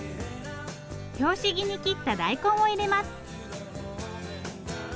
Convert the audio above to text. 拍子木に切った大根を入れます。